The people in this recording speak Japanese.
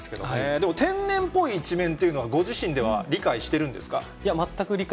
でも天然っぽい一面っていうのはご自身では理解してるんですか？